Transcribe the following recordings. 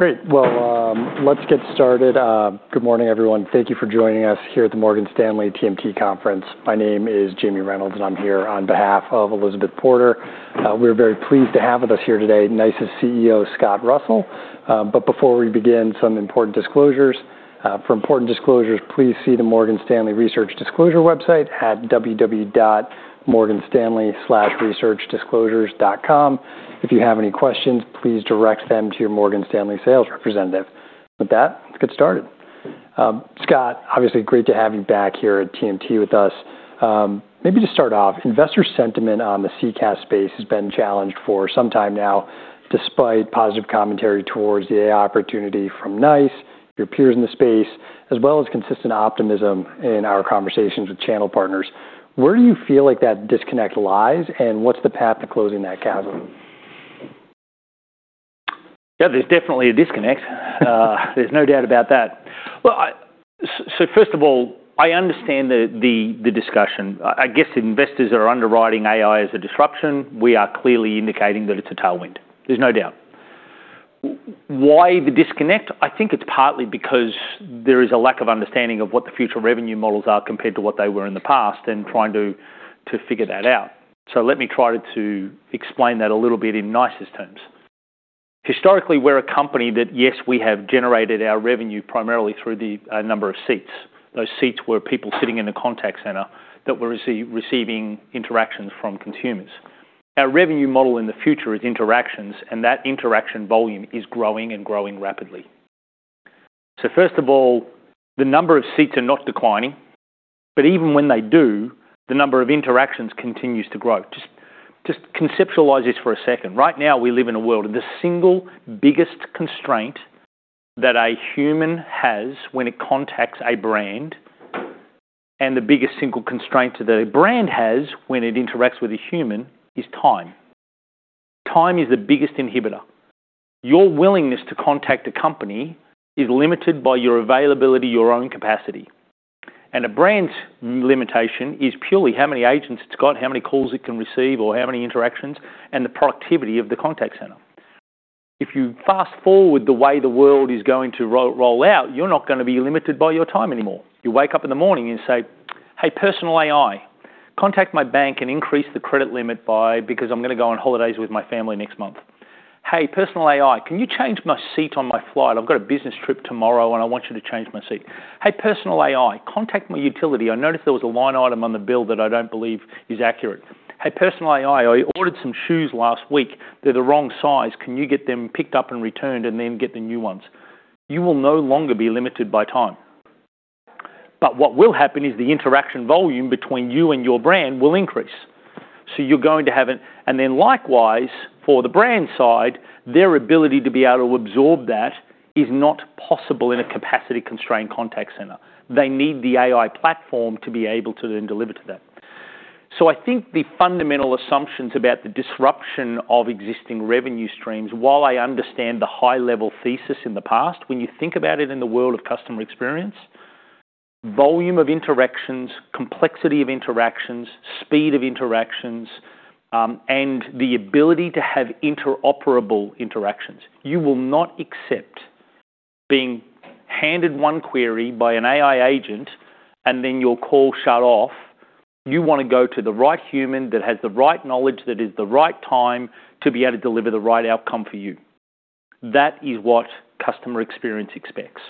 Great. Well, let's get started. Good morning, everyone. Thank you for joining us here at the Morgan Stanley TMT Conference. My name is Jamie Reynolds, and I'm here on behalf of Elizabeth Porter. We're very pleased to have with us here today NiCE‘s CEO, Scott Russell. Before we begin, some important disclosures. For important disclosures, please see the Morgan Stanley Research Disclosure website at www.morganstanley/researchdisclosures.com. If you have any questions, please direct them to your Morgan Stanley sales representative. With that, let's get started. Scott, obviously great to have you back here at TMT with us. Maybe to start off, investor sentiment on the CCaaS space has been challenged for some time now, despite positive commentary towards the AI opportunity from NiCE, your peers in the space, as well as consistent optimism in our conversations with channel partners. Where do you feel like that disconnect lies, and what's the path to closing that chasm? Yeah, there's definitely a disconnect. There's no doubt about that. First of all, I understand the discussion. I guess investors are underwriting AI as a disruption. We are clearly indicating that it's a tailwind. There's no doubt. Why the disconnect? I think it's partly because there is a lack of understanding of what the future revenue models are compared to what they were in the past and trying to figure that out. Let me try to explain that a little bit in NiCE‘s terms. Historically, we're a company that, yes, we have generated our revenue primarily through the number of seats. Those seats were people sitting in a contact center that were receiving interactions from consumers. Our revenue model in the future is interactions, and that interaction volume is growing rapidly. First of all, the number of seats are not declining, but even when they do, the number of interactions continues to grow. Just conceptualize this for a second. Right now, we live in a world of the single biggest constraint that a human has when it contacts a brand, and the biggest single constraint that a brand has when it interacts with a human is time. Time is the biggest inhibitor. Your willingness to contact a company is limited by your availability, your own capacity. A brand's limitation is purely how many agents it's got, how many calls it can receive, or how many interactions, and the productivity of the contact center. If you fast-forward the way the world is going to roll out, you're not gonna be limited by your time anymore. You wake up in the morning and say, "Hey, personal AI, contact my bank and increase the credit limit because I'm gonna go on holidays with my family next month. Hey, personal AI, can you change my seat on my flight? I've got a business trip tomorrow, and I want you to change my seat. Hey, personal AI, contact my utility. I noticed there was a line item on the bill that I don't believe is accurate. Hey, personal AI, I ordered some shoes last week. They're the wrong size. Can you get them picked up and returned and then get the new ones?" You will no longer be limited by time. What will happen is the interaction volume between you and your brand will increase. You're going to have. Then likewise, for the brand side, their ability to be able to absorb that is not possible in a capacity-constrained contact center. They need the AI platform to be able to then deliver to that. I think the fundamental assumptions about the disruption of existing revenue streams, while I understand the high level thesis in the past, when you think about it in the world of customer experience, volume of interactions, complexity of interactions, speed of interactions, and the ability to have interoperable interactions, you will not accept being handed one query by an AI agent and then your call shut off. You wanna go to the right human that has the right knowledge, that is the right time to be able to deliver the right outcome for you. That is what customer experience expects.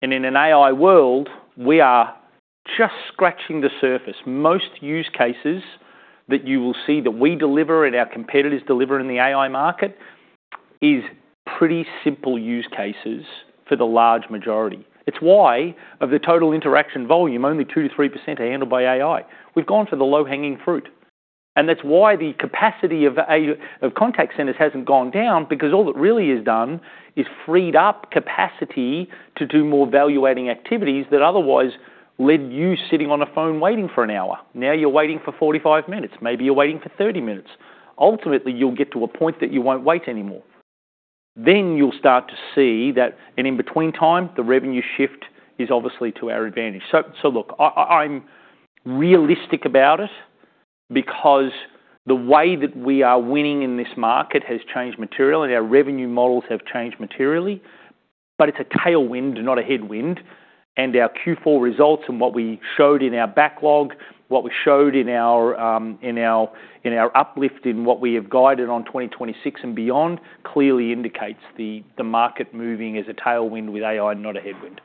In an AI world, we are just scratching the surface. Most use cases that you will see that we deliver and our competitors deliver in the AI market is pretty simple use cases for the large majority. It's why, of the total interaction volume, only 2%-3% are handled by AI. We've gone for the low-hanging fruit. That's why the capacity of contact centers hasn't gone down, because all it really has done is freed up capacity to do more value-adding activities that otherwise led you sitting on a phone waiting for an hour. Now you're waiting for 45 minutes. Maybe you're waiting for 30 minutes. Ultimately, you'll get to a point that you won't wait anymore. You'll start to see that, in in-between time, the revenue shift is obviously to our advantage. Look, I'm realistic about it because the way that we are winning in this market has changed materially. Our revenue models have changed materially, but it's a tailwind, not a headwind. Our Q4 results and what we showed in our backlog, what we showed in our uplift in what we have guided on 2026 and beyond, clearly indicates the market moving as a tailwind with AI, not a headwind.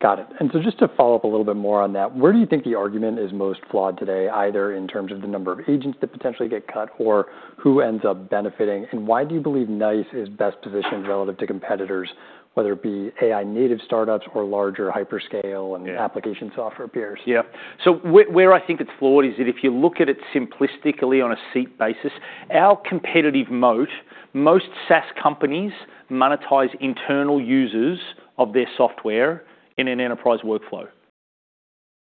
Got it. Just to follow up a little bit more on that, where do you think the argument is most flawed today, either in terms of the number of agents that potentially get cut or who ends up benefiting? Why do you believe NICE is best positioned relative to competitors, whether it be AI native startups or larger hyperscale application software peers? Where I think it's flawed is that if you look at it simplistically on a seat basis. Our competitive moat, most SaaS companies monetize internal users of their software in an enterprise workflow.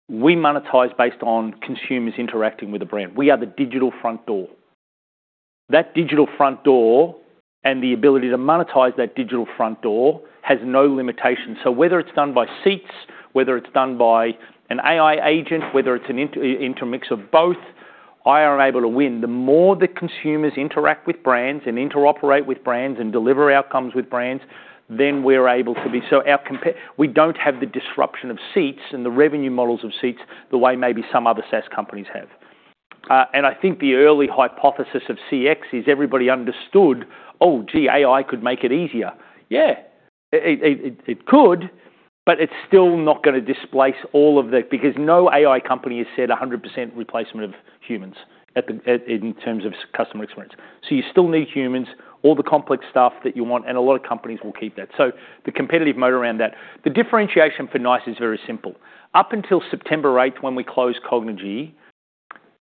We monetize based on consumers interacting with a brand. We are the digital front door. That digital front door, and the ability to monetize that digital front door, has no limitations. Whether it's done by seats, whether it's done by an AI agent, whether it's an intermix of both, I am able to win. The more the consumers interact with brands and interoperate with brands and deliver outcomes with brands, then we're able to be. We don't have the disruption of seats and the revenue models of seats the way maybe some other SaaS companies have. I think the early hypothesis of CX is everybody understood, oh, gee, AI could make it easier. Yeah, it could, but it's still not gonna displace all of the... Because no AI company has said 100% replacement of humans in terms of customer experience. You still need humans, all the complex stuff that you want, and a lot of companies will keep that. The competitive mode around that. The differentiation for NICE is very simple. Up until September 8th, when we closed Cognigy,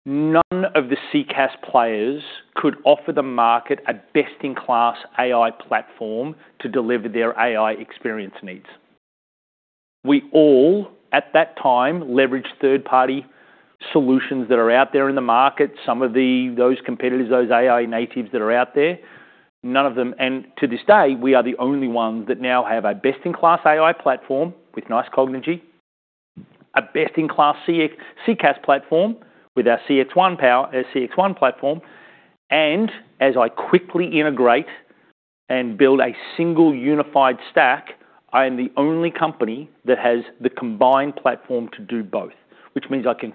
none of the CCaaS players could offer the market a best-in-class AI platform to deliver their AI experience needs. We all, at that time, leveraged third-party solutions that are out there in the market. Some of those competitors, those AI natives that are out there, none of them. To this day, we are the only ones that now have a best-in-class AI platform with NiCE Cognigy, a best-in-class CX, CCaaS platform with our CXone power, CXone platform. As I quickly integrate and build a single unified stack, I am the only company that has the combined platform to do both, which means I can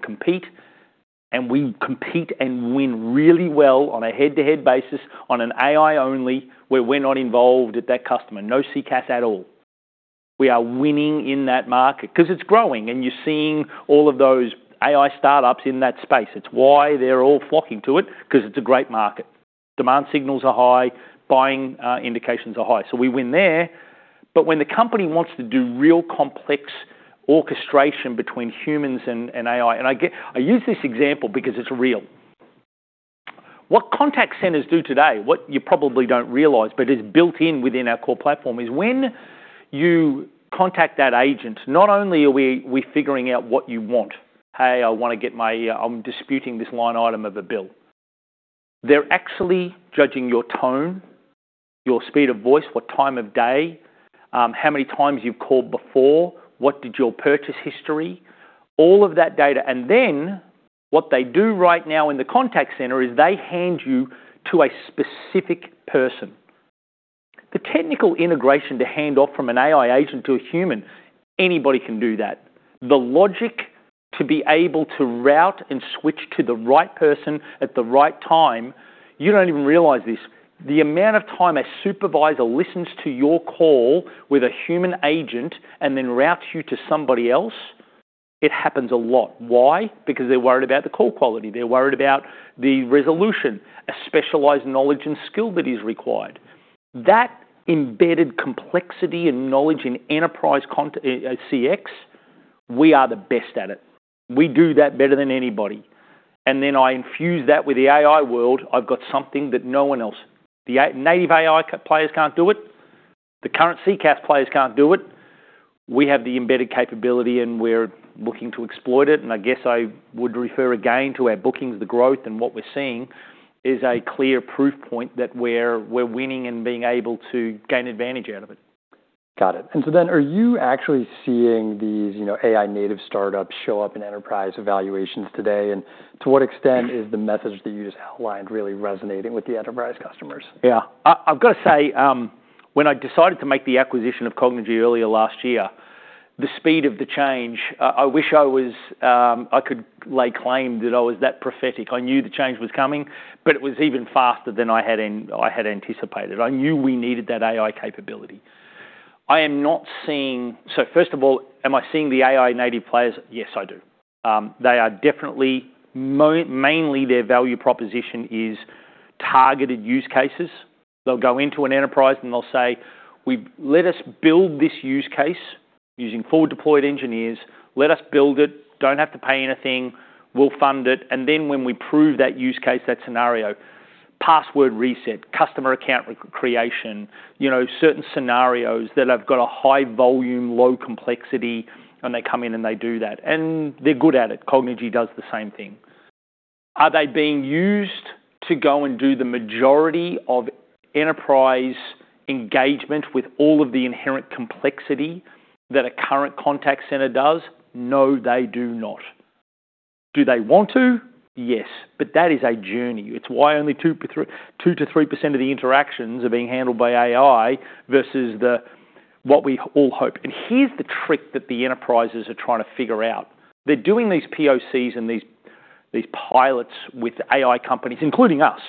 compete, and we compete and win really well on a head-to-head basis on an AI only, where we're not involved at that customer. No CCaaS at all. We are winning in that market 'cause it's growing, and you're seeing all of those AI startups in that space. It's why they're all flocking to it, 'cause it's a great market. Demand signals are high, buying, indications are high. We win there. When the company wants to do real complex orchestration between humans and AI, I use this example because it's real. What contact centers do today, what you probably don't realize but is built-in within our core platform, is when you contact that agent, not only are we figuring out what you want, "Hey, I want to get my, I'm disputing this line item of a bill." They're actually judging your tone, your speed of voice, what time of day, how many times you've called before, what did your purchase history, all of that data. What they do right now in the contact center is they hand you to a specific person. The technical integration to hand off from an AI agent to a human, anybody can do that. The logic to be able to route and switch to the right person at the right time, you don't even realize this. The amount of time a supervisor listens to your call with a human agent and then routes you to somebody else, it happens a lot. Why? Because they're worried about the call quality. They're worried about the resolution, a specialized knowledge and skill that is required. That embedded complexity and knowledge in enterprise CX, we are the best at it. We do that better than anybody. I infuse that with the AI world, I've got something that no one else. The native AI players can't do it. The current CCaaS players can't do it. We have the embedded capability. We're looking to exploit it. I guess I would refer again to our bookings, the growth. What we're seeing is a clear proof point that we're winning and being able to gain advantage out of it. Got it. Are you actually seeing these, you know, AI native startups show up in enterprise evaluations today? To what extent is the message that you just outlined really resonating with the enterprise customers? I've gotta say, when I decided to make the acquisition of Cognigy earlier last year, the speed of the change, I wish I could lay claim that I was that prophetic. I knew the change was coming, it was even faster than I had anticipated. I knew we needed that AI capability. First of all, am I seeing the AI native players? Yes, I do. They are definitely mainly their value proposition is targeted use cases. They'll go into an enterprise, they'll say, "Let us build this use case using four deployed engineers. Let us build it. Don't have to pay anything. We'll fund it. When we prove that use case, that scenario, password reset, customer account re-creation, you know, certain scenarios that have got a high volume, low complexity, and they come in, and they do that, and they're good at it. Cognigy does the same thing. Are they being used to go and do the majority of enterprise engagement with all of the inherent complexity that a current contact center does? No, they do not. Do they want to? Yes. That is a journey. It's why only 2%-3% of the interactions are being handled by AI versus the, what we all hope. Here's the trick that the enterprises are trying to figure out. They're doing these POCs and these pilots with AI companies, including us.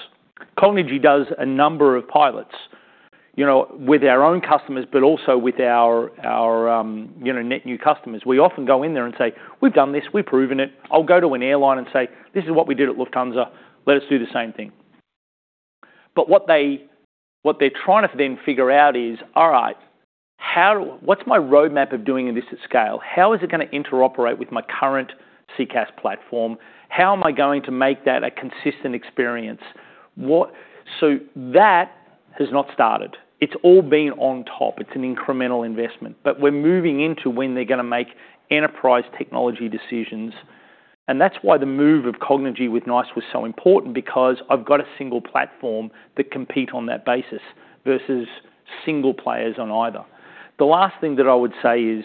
Cognigy does a number of pilots, you know, with our, you know, net new customers. We often go in there and say, "We've done this. We've proven it." I'll go to an airline and say, "This is what we did at Lufthansa. Let us do the same thing." What they're trying to then figure out is, all right, what's my roadmap of doing this at scale? How is it gonna interoperate with my current CCaaS platform? How am I going to make that a consistent experience? That has not started. It's all been on top. It's an incremental investment. We're moving into when they're gonna make enterprise technology decisions, and that's why the move of Cognigy with NICE was so important because I've got a single platform to compete on that basis versus single players on either. The last thing that I would say is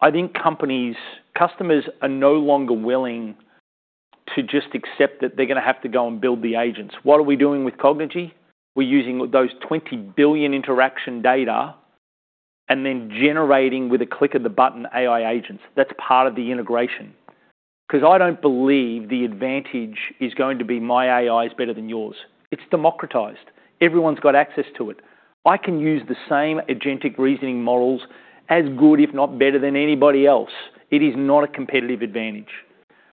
I think companies, customers are no longer willing to just accept that they're gonna have to go and build the agents. What are we doing with Cognigy? We're using those 20 billion interaction data and then generating with a click of the button AI agents. That's part of the integration. 'Cause I don't believe the advantage is going to be my AI is better than yours. It's democratized. Everyone's got access to it. I can use the same agentic reasoning models as good, if not better than anybody else. It is not a competitive advantage.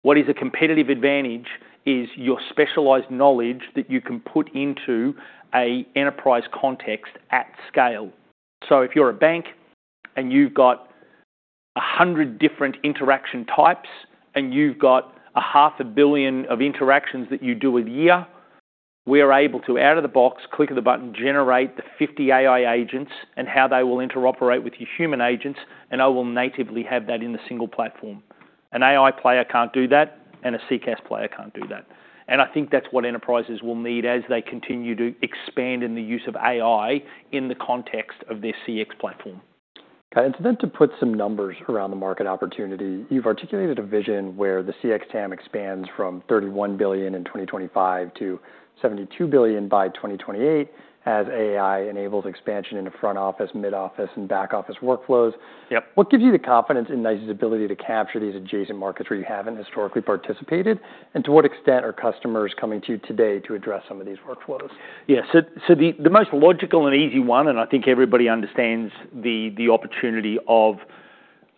What is a competitive advantage is your specialized knowledge that you can put into a enterprise context at scale. If you're a bank and you've got 100 different interaction types, and you've got a half a billion of interactions that you do a year, we are able to out of the box, click of the button, generate the 50 AI agents and how they will interoperate with your human agents, and I will natively have that in a single platform. An AI player can't do that, and a CCaaS player can't do that. I think that's what enterprises will need as they continue to expand in the use of AI in the context of their CX platform. To put some numbers around the market opportunity, you've articulated a vision where the CX TAM expands from $31 billion in 2025 to $72 billion by 2028 as AI enables expansion into front office, mid-office, and back office workflows. Yep. What gives you the confidence in NiCE‘s ability to capture these adjacent markets where you haven't historically participated? And to what extent are customers coming to you today to address some of these workflows? The most logical and easy one, I think everybody understands the opportunity of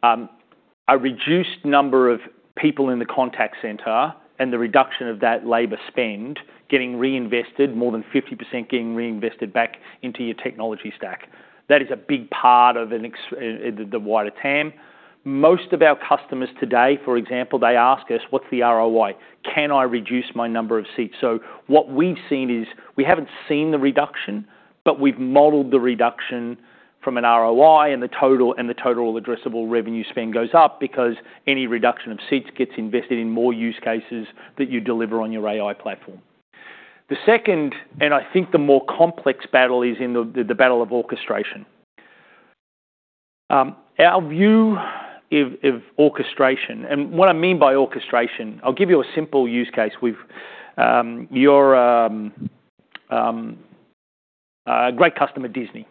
a reduced number of people in the contact center and the reduction of that labor spend getting reinvested, more than 50% getting reinvested back into your technology stack. That is a big part of the wider TAM. Most of our customers today, for example, they ask us, "What's the ROI? Can I reduce my number of seats?" What we've seen is we haven't seen the reduction, we've modeled the reduction from an ROI, and the total addressable revenue spend goes up because any reduction of seats gets invested in more use cases that you deliver on your AI platform. The second, I think the more complex battle, is in the battle of orchestration. Our view of orchestration, what I mean by orchestration, I'll give you a simple use case. We've, you're a great customer, Disney.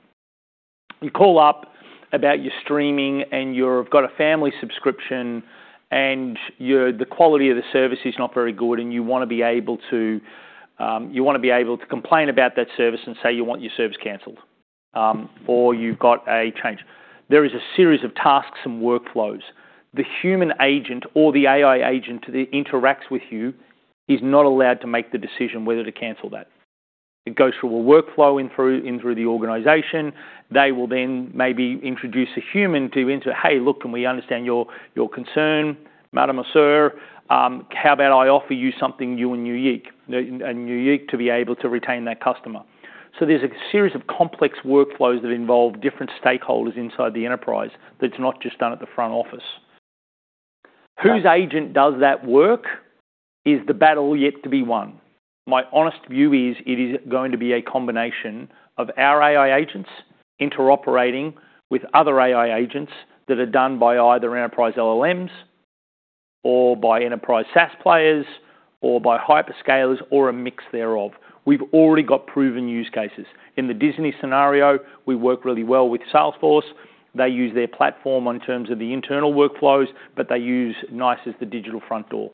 You call up about your streaming, you've got a family subscription, the quality of the service is not very good, you wanna be able to complain about that service and say you want your service canceled, or you've got a change There is a series of tasks and workflows. The human agent or the AI agent that interacts with you is not allowed to make the decision whether to cancel that. It goes through a workflow in through the organization. They will then maybe introduce a human to enter, "Hey, look, can we understand your concern, madam or sir? How about I offer you something new and unique? Unique to be able to retain that customer. There's a series of complex workflows that involve different stakeholders inside the enterprise that's not just done at the front office. Whose agent does that work is the battle yet to be won. My honest view is it is going to be a combination of our AI agents interoperating with other AI agents that are done by either enterprise LLMs or by enterprise SaaS players or by hyperscalers or a mix thereof. We've already got proven use cases. In the Disney scenario, we work really well with Salesforce. They use their platform on terms of the internal workflows, but they use NiCE as the digital front door.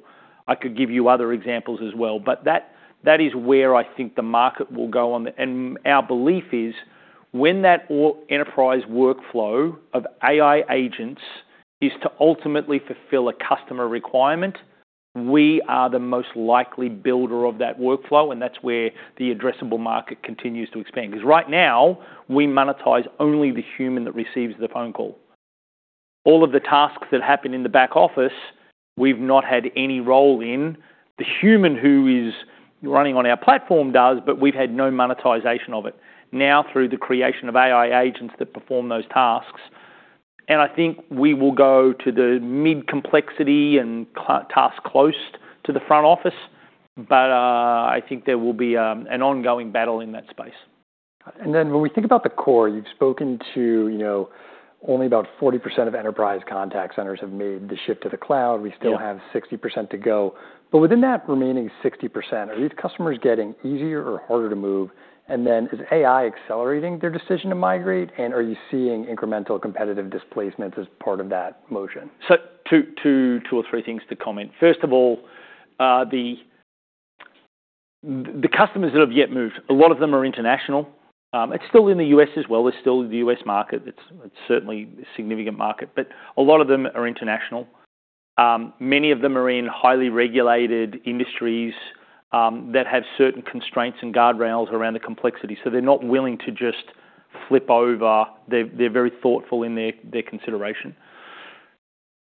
I could give you other examples as well, but that is where I think the market will go on the—our belief is when that or enterprise workflow of AI agents is to ultimately fulfill a customer requirement, we are the most likely builder of that workflow, and that's where the addressable market continues to expand. 'Cause right now we monetize only the human that receives the phone call. All of the tasks that happen in the back office, we've not had any role in. The human who is running on our platform does, but we've had no monetization of it. Now, through the creation of AI agents that perform those tasks, and I think we will go to the mid complexity and tasks close to the front office. I think there will be an ongoing battle in that space. When we think about the core, you've spoken to, you know, only about 40% of enterprise contact centers have made the shift to the cloud. Yeah. We still have 60% to go. Within that remaining 60%, are these customers getting easier or harder to move? Is AI accelerating their decision to migrate? Are you seeing incremental competitive displacements as part of that motion? Two or three things to comment. First of all, the customers that have yet moved, a lot of them are international. It's still in the U.S. as well. It's still the U.S. market. It's certainly a significant market, but a lot of them are international. Many of them are in highly regulated industries that have certain constraints and guardrails around the complexity, so they're not willing to just flip over. They're very thoughtful in their consideration.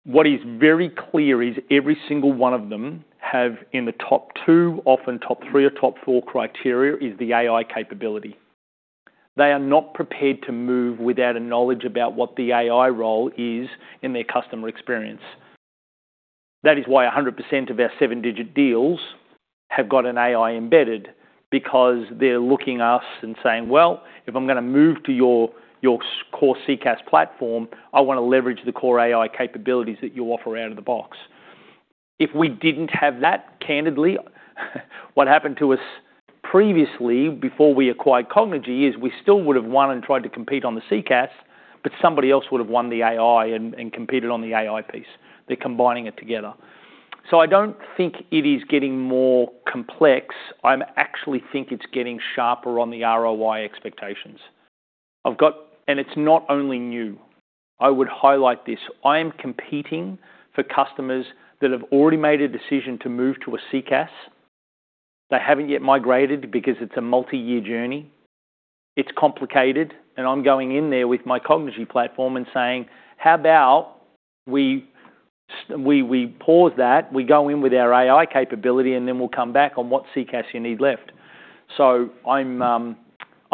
What is very clear is every single one of them have in the top 2, often top 3 or top 4 criteria, is the AI capability. They are not prepared to move without a knowledge about what the AI role is in their customer experience. That is why 100% of our seven-digit deals have got an AI embedded because they're looking us and saying, "Well, if I'm gonna move to your core CCaaS platform, I wanna leverage the core AI capabilities that you offer out of the box." If we didn't have that, candidly, what happened to us previously before we acquired Cognigy is we still would have won and tried to compete on the CCaaS, but somebody else would have won the AI and competed on the AI piece. They're combining it together. I don't think it is getting more complex. I'm actually think it's getting sharper on the ROI expectations. It's not only new. I would highlight this. I am competing for customers that have already made a decision to move to a CCaaS. They haven't yet migrated because it's a multi-year journey. It's complicated, I'm going in there with my Cognigy platform and saying, "How about we pause that, we go in with our AI capability, and then we'll come back on what CCaaS you need left." I'm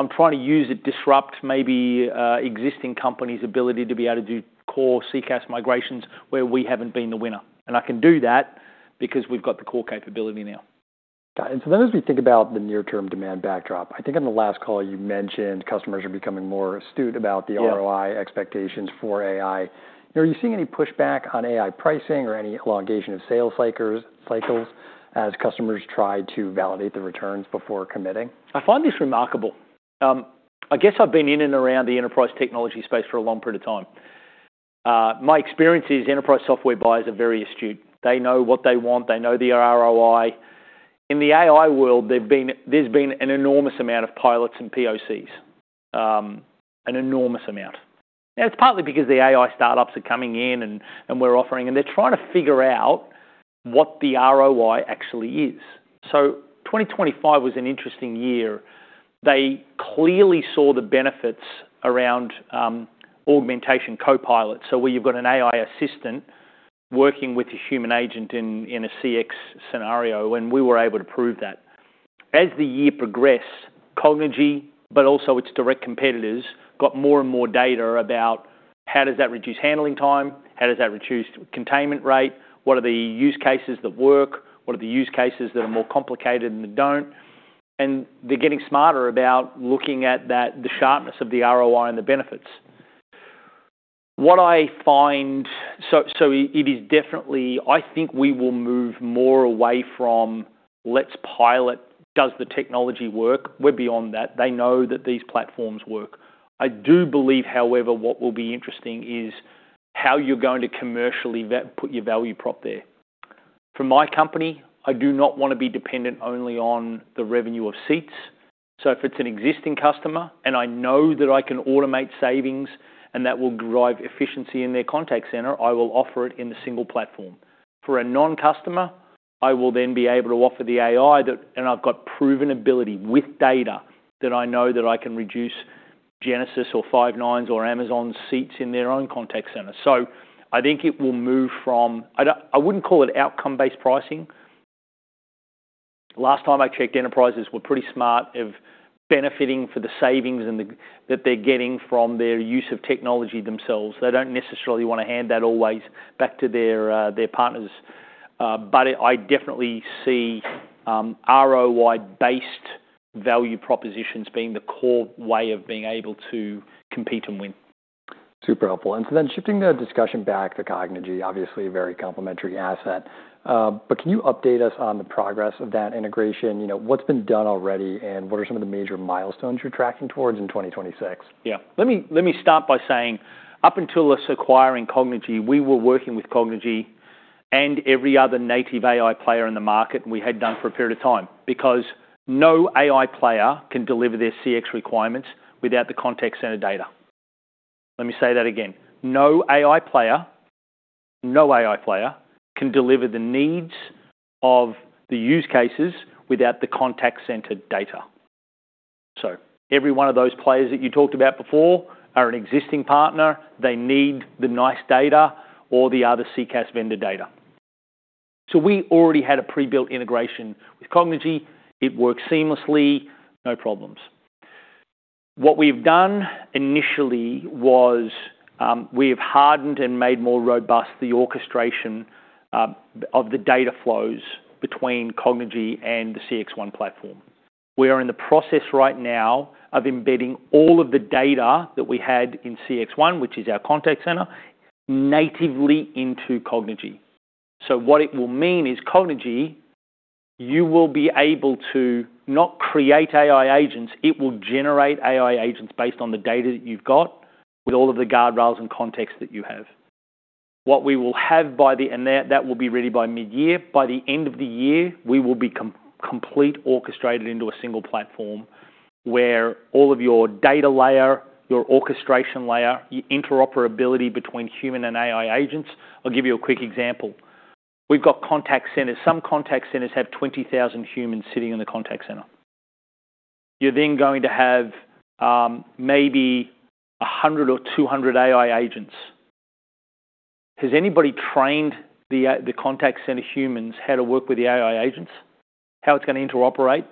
trying to use it, disrupt maybe existing companies' ability to be able to do core CCaaS migrations where we haven't been the winner. I can do that because we've got the core capability now. Got it. As we think about the near-term demand backdrop, I think on the last call you mentioned customers are becoming more astute about ROI expectations for AI. Are you seeing any pushback on AI pricing or any elongation of sales cycles as customers try to validate the returns before committing? I find this remarkable. I guess I've been in and around the enterprise technology space for a long period of time. My experience is enterprise software buyers are very astute. They know what they want. They know the ROI. In the AI world, there's been an enormous amount of pilots and POCs. An enormous amount. It's partly because the AI startups are coming in and we're offering, and they're trying to figure out what the ROI actually is. 2025 was an interesting year. They clearly saw the benefits around augmentation copilots, so where you've got an AI assistant working with a human agent in a CX scenario, and we were able to prove that. As the year progressed, Cognigy, but also its direct competitors, got more and more data about how does that reduce handling time? How does that reduce containment rate? What are the use cases that work? What are the use cases that are more complicated and that don't? They're getting smarter about looking at that, the sharpness of the ROI and the benefits. It is definitely I think we will move more away from let's pilot, does the technology work? We're beyond that. They know that these platforms work. I do believe, however, what will be interesting is how you're going to commercially put your value prop there. For my company, I do not wanna be dependent only on the revenue of seats. If it's an existing customer, and I know that I can automate savings and that will drive efficiency in their contact center, I will offer it in a single platform. For a non-customer, I will then be able to offer the AI that, and I've got proven ability with data that I know that I can reduce Genesys or Five9 or Amazon seats in their own contact center. I think it will move from, I wouldn't call it outcome-based pricing. Last time I checked, enterprises were pretty smart of benefiting for the savings and the, that they're getting from their use of technology themselves. They don't necessarily wanna hand that always back to their partners. I definitely see ROI-based value propositions being the core way of being able to compete and win. Super helpful. Shifting the discussion back to Cognigy, obviously a very complementary asset. Can you update us on the progress of that integration? You know, what's been done already, what are some of the major milestones you're tracking towards in 2026? Yeah. Let me start by saying up until us acquiring Cognigy, we were working with Cognigy and every other native AI player in the market, and we had done for a period of time because no AI player can deliver their CX requirements without the contact center data. Let me say that again. No AI player can deliver the needs of the use cases without the contact center data. Every one of those players that you talked about before are an existing partner. They need the NiCE data or the other CCaaS vendor data. We already had a pre-built integration with Cognigy. It works seamlessly, no problems. What we've done initially was, we've hardened and made more robust the orchestration of the data flows between Cognigy and the CXone platform. We are in the process right now of embedding all of the data that we had in CXone, which is our contact center, natively into Cognigy. What it will mean is Cognigy, you will be able to not create AI agents, it will generate AI agents based on the data that you've got with all of the guardrails and context that you have. What we will have. That will be ready by mid-year. By the end of the year, we will be complete orchestrated into a single platform where all of your data layer, your orchestration layer, your interoperability between human and AI agents. I'll give you a quick example. We've got contact centers. Some contact centers have 20,000 humans sitting in the contact center. You're then going to have, maybe 100 or 200 AI agents. Has anybody trained the contact center humans how to work with the AI agents, how it's gonna interoperate,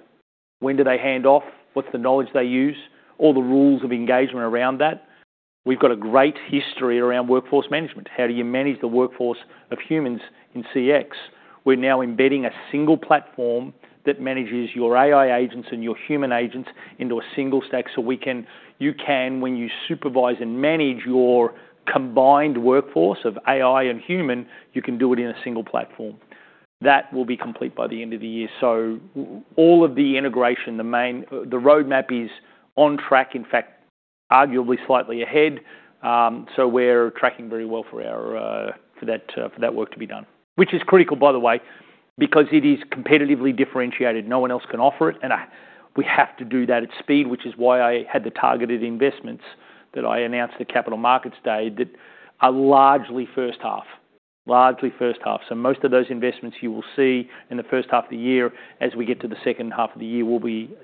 when do they hand off, what's the knowledge they use, all the rules of engagement around that? We've got a great history around workforce management. How do you manage the workforce of humans in CX? We're now embedding a single platform that manages your AI agents and your human agents into a single stack, so you can, when you supervise and manage your combined workforce of AI and human, you can do it in a single platform. That will be complete by the end of the year. All of the integration, the main roadmap is on track, in fact, arguably slightly ahead. We're tracking very well for our for that for that work to be done. Which is critical, by the way, because it is competitively differentiated. No one else can offer it, we have to do that at speed, which is why I had the targeted investments that I announced at Capital Markets Day that are largely first half. Largely first half. Most of those investments you will see in the first half of the year. As we get to the second half of the year,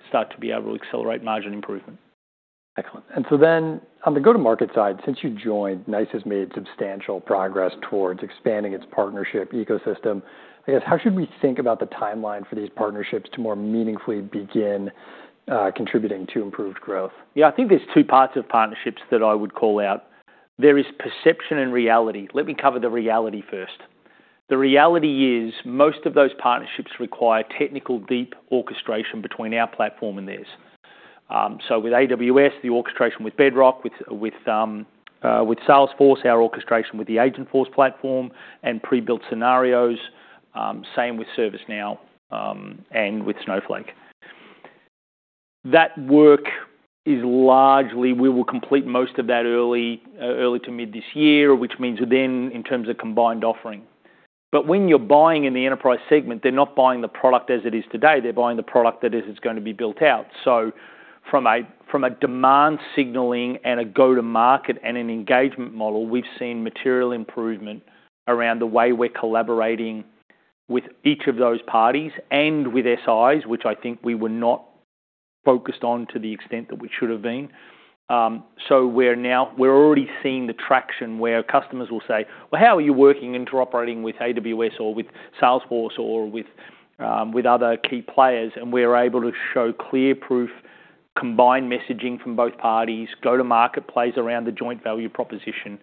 start to be able to accelerate margin improvement. Excellent. On the go-to-market side, since you joined, NiCE has made substantial progress towards expanding its partnership ecosystem. I guess, how should we think about the timeline for these partnerships to more meaningfully begin, contributing to improved growth? I think there's two parts of partnerships that I would call out. There is perception and reality. Let me cover the reality first. The reality is most of those partnerships require technical deep orchestration between our platform and theirs. With AWS, the orchestration with Bedrock, with Salesforce, our orchestration with the Agentforce platform and pre-built scenarios, same with ServiceNow, and with Snowflake. That work is largely, we will complete most of that early to mid this year, in terms of combined offering. When you're buying in the enterprise segment, they're not buying the product as it is today. They're buying the product that is going to be built out. From a, from a demand signaling and a go-to-market and an engagement model, we've seen material improvement around the way we're collaborating with each of those parties and with SIs, which I think we were not focused on to the extent that we should have been. We're already seeing the traction where customers will say, "Well, how are you working, interoperating with AWS or with Salesforce or with other key players?" We're able to show clear proof, combined messaging from both parties, go-to-market plays around the joint value proposition.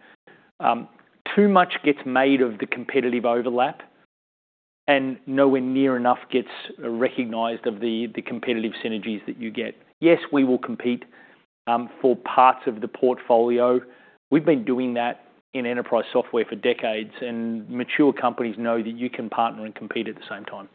Too much gets made of the competitive overlap, and nowhere near enough gets recognized of the competitive synergies that you get. Yes, we will compete for parts of the portfolio. We've been doing that in enterprise software for decades, and mature companies know that you can partner and compete at the same time.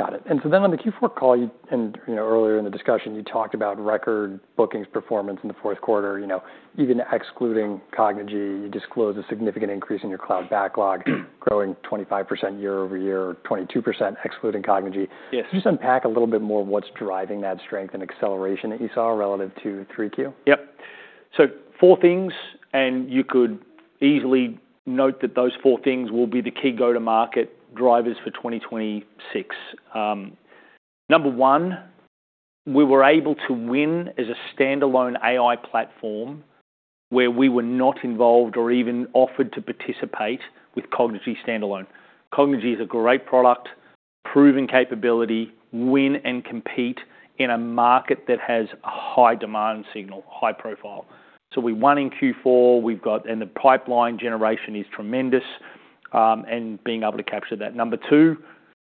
Got it. On the Q4 call, and, you know, earlier in the discussion, you talked about record bookings performance in the fourth quarter. You know, even excluding Cognigy, you disclosed a significant increase in your cloud backlog, growing 25% year-over-year, 22% excluding Cognigy. Yes. Can you just unpack a little bit more of what's driving that strength and acceleration that you saw relative to 3Q? Yep. Four things, you could easily note that those four things will be the key go-to-market drivers for 2026. Number one, we were able to win as a standalone AI platform where we were not involved or even offered to participate with Cognigy standalone. Cognigy is a great product, proven capability, win and compete in a market that has a high demand signal, high profile. We won in Q4. The pipeline generation is tremendous, and being able to capture that. Number two,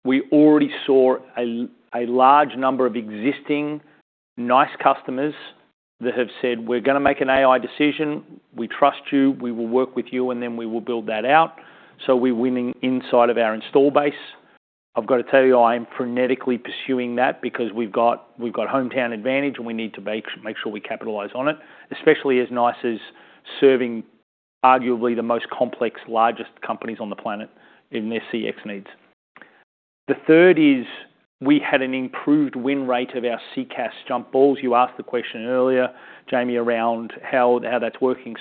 we already saw a large number of existing NiCE customers that have said, "We're gonna make an AI decision. We trust you. We will work with you, and then we will build that out." We're winning inside of our install base. I've got to tell you, I am frenetically pursuing that because we've got hometown advantage, we need to make sure we capitalize on it, especially as NiCE is serving arguably the most complex, largest companies on the planet in their CX needs. The third is we had an improved win rate of our CCaaS jump balls. You asked the question earlier, Jamie, around how that's working.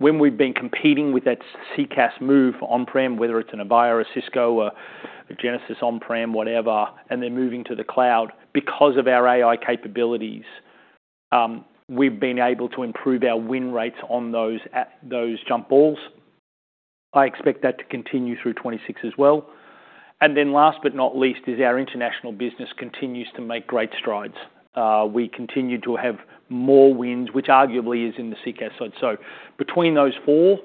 When we've been competing with that CCaaS move on-prem, whether it's an Avaya or a Cisco or a Genesys on-prem, whatever, they're moving to the cloud, because of our AI capabilities, we've been able to improve our win rates on those, at those jump balls. I expect that to continue through 2026 as well. Last but not least is our international business continues to make great strides. We continue to have more wins, which arguably is in the CCaaS side. Between those four,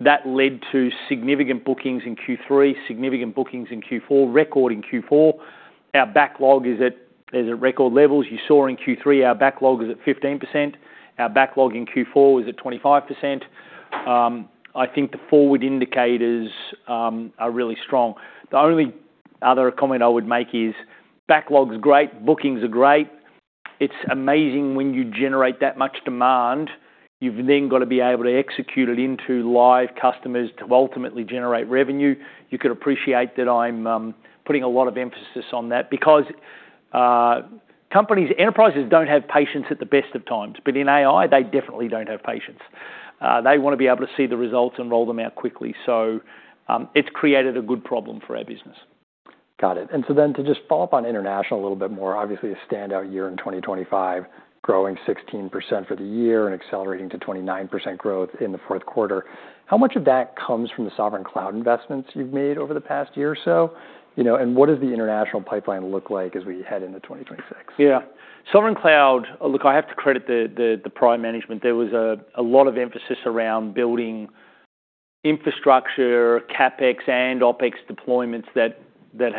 that led to significant bookings in Q3, significant bookings in Q4, record in Q4. Our backlog is at record levels. You saw in Q3, our backlog was at 15%. Our backlog in Q4 was at 25%. I think the forward indicators are really strong. The only other comment I would make is backlog's great, bookings are great. It's amazing when you generate that much demand. You've then got to be able to execute it into live customers to ultimately generate revenue. You can appreciate that I'm putting a lot of emphasis on that because companies, enterprises don't have patience at the best of times. In AI, they definitely don't have patience. They wanna be able to see the results and roll them out quickly. It's created a good problem for our business. Got it. To just follow up on international a little bit more, obviously, a standout year in 2025, growing 16% for the year and accelerating to 29% growth in the fourth quarter. How much of that comes from the Sovereign Cloud investments you've made over the past year or so? You know, what does the international pipeline look like as we head into 2026? Sovereign Cloud, look, I have to credit the prime management. There was a lot of emphasis around building infrastructure, CapEx and OpEx deployments that didn't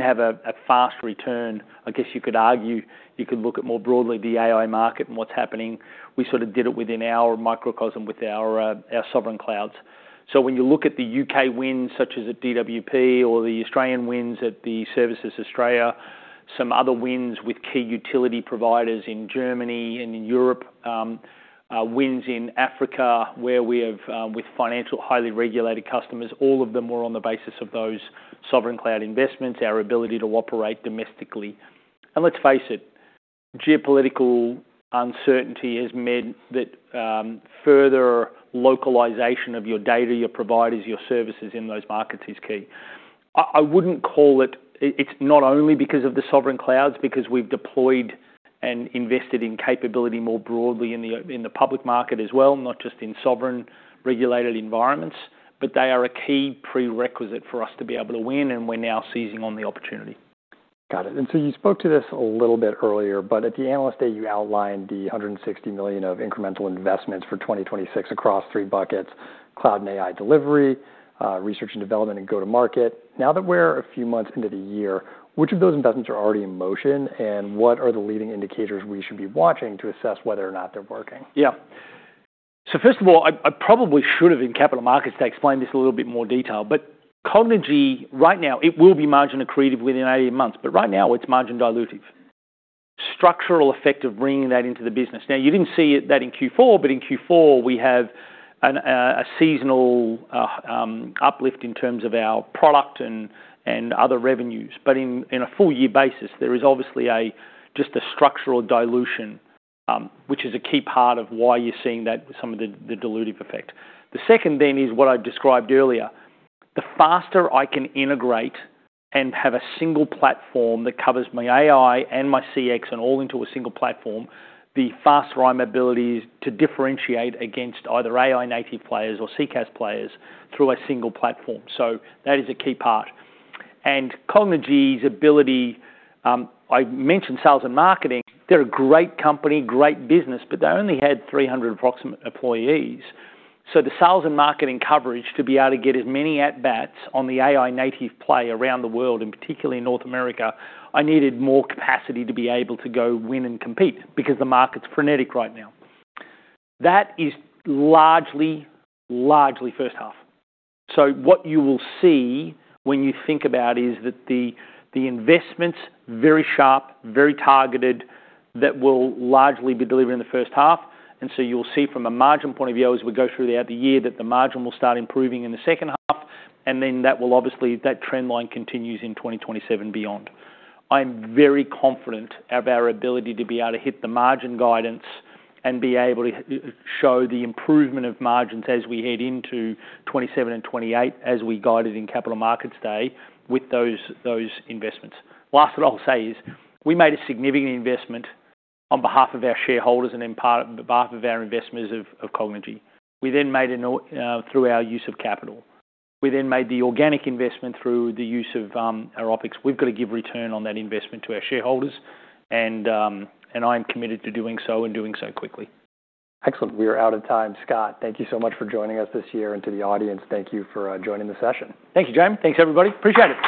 have a fast return. I guess you could argue, you could look at more broadly the AI market and what's happening. We sort of did it within our microcosm with our Sovereign Clouds. When you look at the U.K. wins, such as at DWP or the Australian wins at the Services Australia, some other wins with key utility providers in Germany and in Europe, wins in Africa, where we have with financial, highly regulated customers, all of them were on the basis of those Sovereign Cloud investments, our ability to operate domestically. Let's face it, geopolitical uncertainty has meant that, further localization of your data, your providers, your services in those markets is key. I wouldn't call it—it’s not only because of the Sovereign Clouds, because we've deployed and invested in capability more broadly in the, in the public market as well, not just in sovereign regulated environments, but they are a key prerequisite for us to be able to win, and we're now seizing on the opportunity. Got it. You spoke to this a little bit earlier, but at the Analyst Day, you outlined the $160 million of incremental investments for 2026 across three buckets: cloud and AI delivery, research and development, and go-to-market. Now that we're a few months into the year, which of those investments are already in motion, and what are the leading indicators we should be watching to assess whether or not they're working? First of all, I probably should have in Capital Markets Day explained this in a little bit more detail, but Cognigy right now, it will be margin accretive within 18 months, but right now, it's margin dilutive. Structural effect of bringing that into the business. You didn't see that in Q4, but in Q4, we have a seasonal uplift in terms of our product and other revenues. In a full year basis, there is obviously just a structural dilution, which is a key part of why you're seeing that, some of the dilutive effect. The second then is what I've described earlier. The faster I can integrate and have a single platform that covers my AI and my CX and all into a single platform, the faster I'm abilities to differentiate against either AI native players or CCaaS players through a single platform. That is a key part. Cognigy's ability, I mentioned sales and marketing. They're a great company, great business, but they only had 300 approximate employees. The sales and marketing coverage to be able to get as many at bats on the AI native play around the world, and particularly in North America, I needed more capacity to be able to go win and compete because the market's frenetic right now. That is largely first half. What you will see when you think about is that the investments, very sharp, very targeted, that will largely be delivered in the first half. You'll see from a margin point of view, as we go throughout the year, that the margin will start improving in the second half. That trend line continues in 2027 beyond. I'm very confident of our ability to be able to hit the margin guidance and be able to show the improvement of margins as we head into 2027 and 2028 as we guided in Capital Markets Day with those investments. Last that I'll say is we made a significant investment on behalf of our shareholders and in part of behalf of our investors of Cognigy. Made an through our use of capital. Made the organic investment through the use of our OpEx. We've got to give return on that investment to our shareholders, and I'm committed to doing so and doing so quickly. Excellent. We are out of time. Scott, thank you so much for joining us this year. To the audience, thank you for joining the session. Thank you, Jim. Thanks, everybody. Appreciate it.